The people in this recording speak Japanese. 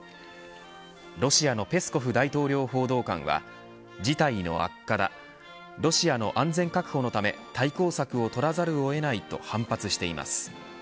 ロシアのペスコフ大統領報道官は事態の悪化だロシアの安全確保のため対抗策を取らざるをえないと反発しています。